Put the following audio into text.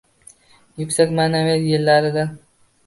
«yuksak ma’naviyat» yillarida